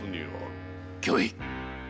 御意！